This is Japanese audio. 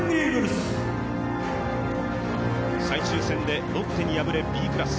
最終戦でロッテに敗れ、Ｂクラス。